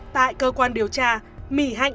tại cơ quan điều tra mỹ hạnh